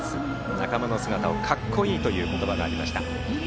仲間の姿を、格好いいという言葉がありました。